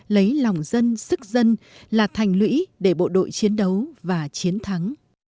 lấy lòng dân sức dân là thành lũy để bộ đội chiến đấu và chiến thắng